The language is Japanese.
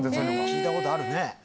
聞いたことあるね。